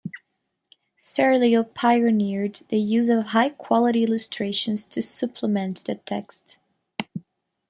Serlio pioneered the use of high quality illustrations to supplement the text.